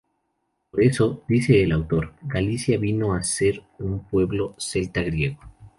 Por eso, dice el autor, Galicia vino a ser un pueblo Celta-Griego.